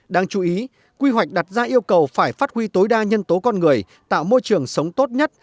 đáng chú ý quy hoạch đặt ra yêu cầu phải phát huy tối đa nhân tố con người tạo môi trường sống tốt nhất